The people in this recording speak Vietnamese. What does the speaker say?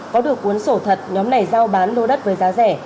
có được cuốn sổ thật nhóm này giao bán lô đất với giá rẻ